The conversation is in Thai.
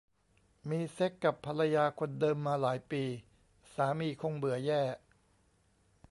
มีเซ็กส์กับภรรยาคนเดิมมาหลายปีสามีคงเบื่อแย่